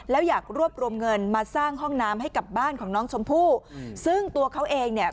แล้วอยากรวบรวมเงินมาสร้างห้องน้ำให้กับบ้านของน้องชมพู่ซึ่งตัวเขาเองเนี่ย